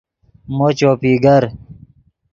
مو چوپی گر